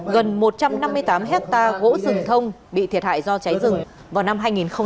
gần một trăm năm mươi tám hectare gỗ rừng thông bị thiệt hại do cháy rừng vào năm hai nghìn một mươi bảy